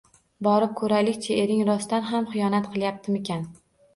Borib ko`raylik-chi, ering rostdan ham xiyonat qilyaptimikan